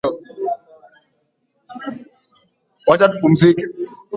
Baba anaenda kazini.